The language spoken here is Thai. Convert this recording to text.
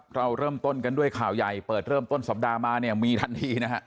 เราเริ่มต้นกันด้วยข่าวใหญ่เปิดเริ่มต้นสัปดาห์มาเนี่ยมีทันทีนะฮะ